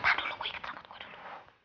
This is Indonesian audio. tahan dulu gue ikat rambut gue dulu